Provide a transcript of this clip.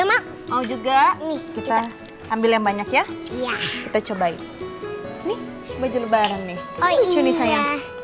mau juga kita ambil yang banyak ya kita cobain nih baju lebaran nih lucu nih sayang